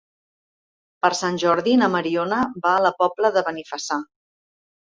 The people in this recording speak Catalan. Per Sant Jordi na Mariona va a la Pobla de Benifassà.